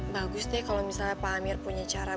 bagus deh kalo misalnya pak hamir punya cara